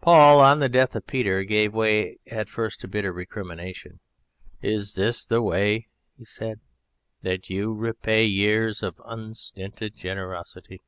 Paul, on the death of Peter, gave way at first to bitter recrimination. "Is this the way," he said, "that you repay years of unstinted generosity?